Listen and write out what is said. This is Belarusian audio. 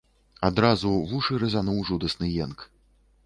Адразу вушы рэзнуў жудасны енк.